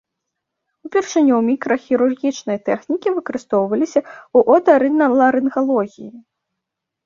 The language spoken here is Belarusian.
Упершыню мікрахірургічныя тэхнікі выкарыстоўваліся ў отарыналарынгалогіі.